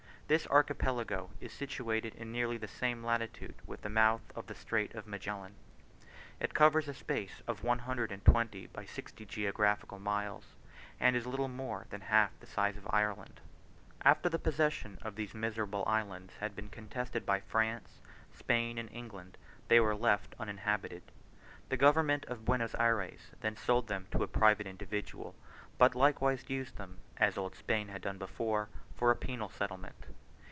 This archipelago is situated in nearly the same latitude with the mouth of the Strait of Magellan; it covers a space of one hundred and twenty by sixty geographical miles, and is little more than half the size of Ireland. After the possession of these miserable islands had been contested by France, Spain, and England, they were left uninhabited. The government of Buenos Ayres then sold them to a private individual, but likewise used them, as old Spain had done before, for a penal settlement.